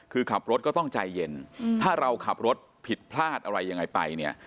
คือขับรถก็ต้องใจเย็นถ้าเราขับรถผิดพลาดอะไรยังไงไปเนี่ย